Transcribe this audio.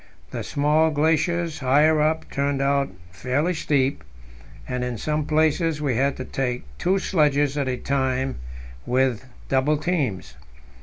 The small glaciers higher up turned out fairly steep, and in some places we had to take two sledges at a time with double teams.